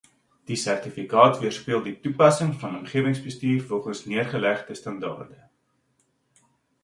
Die sertifikate weerspieël die toepassing van omgewingsbestuur volgens neergelegde standaarde.